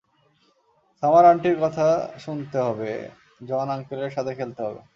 Summer আন্টির কথা শুনতে হবে, জন আঙ্কেলের সাথে খেলতে হবে।